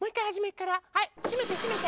はいしめてしめて。